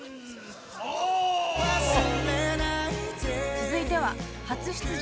続いては初出場